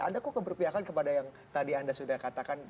ada kok keberpihakan kepada yang tadi anda sudah katakan